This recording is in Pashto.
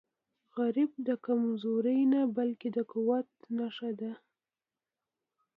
غریب د کمزورۍ نه، بلکې د قوت نښه ده